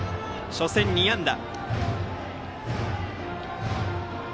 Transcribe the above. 初戦は２安打。